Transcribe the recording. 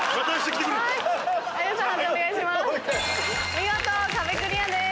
見事壁クリアです。